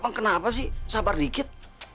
bang kenapa sih sabar dikit